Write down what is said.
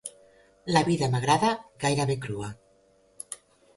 La vida m'agrada gairebé crua.